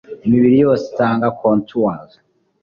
Imibiri yose itanga kontours